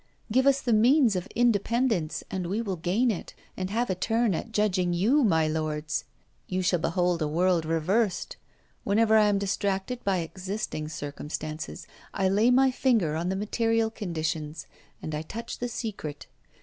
Give us the means of independence, and we will gain it, and have a turn at judging you, my lords! You shall behold a world reversed. Whenever I am distracted by existing circumstances, I lay my finger on the material conditions, and I touch the secret.